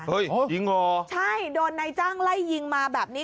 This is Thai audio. ยิงเหรอใช่โดนนายจ้างไล่ยิงมาแบบนี้